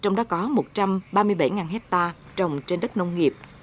trong đó có một trăm ba mươi bảy hectare trồng trên đất nông nghiệp